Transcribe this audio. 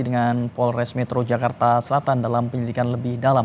dengan polres metro jakarta selatan dalam penyelidikan lebih dalam